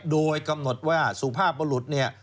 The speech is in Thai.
โดยกำหนดว่าสุภาพบรุษเนี่ย